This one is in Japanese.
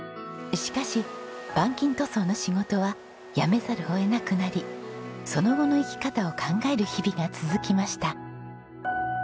しかし板金塗装の仕事は辞めざるを得なくなりその後の生き方を考える日々が続きました。